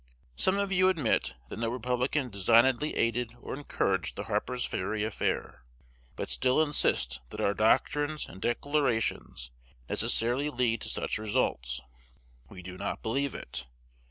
Some of you admit that no Republican designedly aided or encouraged the Harper's Ferry affair, but still insist that our doctrines and declarations necessarily lead to such results. We do not believe it.